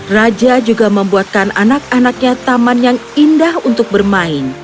raja juga membuatkan anak anaknya taman yang indah untuk bermain